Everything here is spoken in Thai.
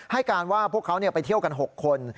ให้การว่าพวกเขาไปเที่ยวกัน๖คน